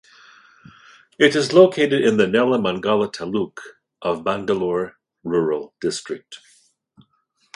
It is located in the Nelamangala taluk of Bangalore Rural district.